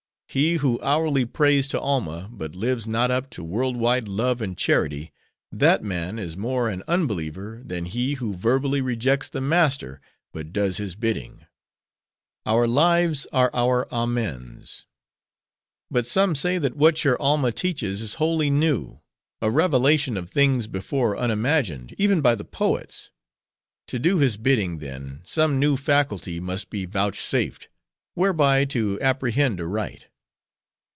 He who hourly prays to Alma, but lives not up to world wide love and charity—that man is more an unbeliever than he who verbally rejects the Master, but does his bidding. Our lives are our Amens." "But some say that what your Alma teaches is wholly new—a revelation of things before unimagined, even by the poets. To do his bidding, then, some new faculty must be vouchsafed, whereby to apprehend aright."